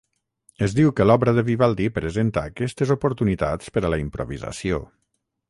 Es diu que l'obra de Vivaldi presenta aquestes oportunitats per a la improvisació.